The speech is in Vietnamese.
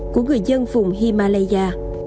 của người dân vùng himalaya